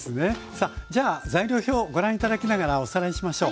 さあじゃあ材料表をご覧頂きながらおさらいしましょう。